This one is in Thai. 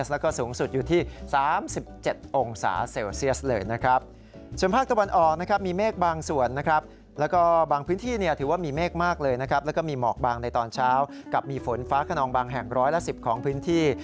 แล้วก็บางพื้นที่ถือว่ามีเมฆมากเลยนะครับแล้วก็มีหมอกบางในตอนเช้ากับมีฝนฟ้าขนองบางแห่งร้อยละ๑๐ของพื้นที่